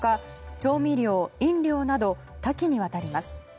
調味料、飲料など多岐にわたります。